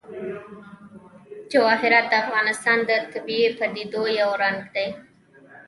جواهرات د افغانستان د طبیعي پدیدو یو رنګ دی.